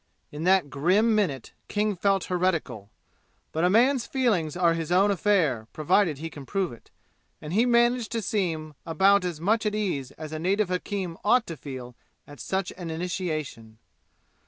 In that grim minute King felt heretical; but a man's feelings are his own affair provided he can prove it, and he managed to seem about as much at ease as a native hakim ought to feel at such an initiation.